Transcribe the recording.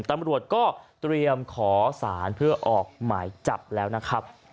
ตำรวจก็เตรียมขอสารเพื่อออกหมายจับแล้วนะครับ